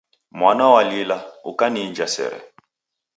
Mwana walila, ukaniinja sere.